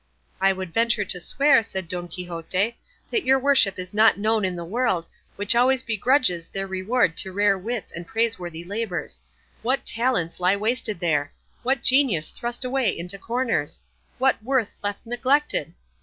"I would venture to swear," said Don Quixote, "that your worship is not known in the world, which always begrudges their reward to rare wits and praiseworthy labours. What talents lie wasted there! What genius thrust away into corners! What worth left neglected!